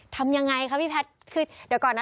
ทำยังไงคะพี่แพทย์คือเดี๋ยวก่อนนะ